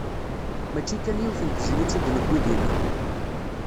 Mačči kan yiwet n tezlit i d-newwi dinna.